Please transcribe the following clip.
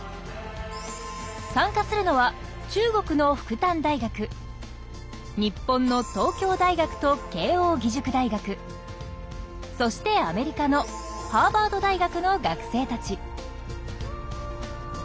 参加するのは中国の日本のそしてアメリカのハーバード大学の学生たち。